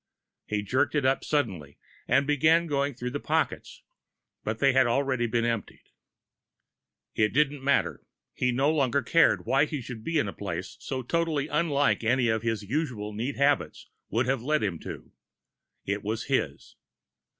He jerked it up suddenly and began going through the pockets, but they had already been emptied. It didn't matter he no longer cared why he should be in a place so totally unlike any his usually neat habits would have led him to. It was his.